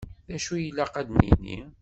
Dacu i ilaq ad d-nini?